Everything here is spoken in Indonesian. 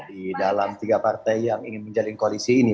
di dalam tiga partai yang ingin menjalin koalisi ini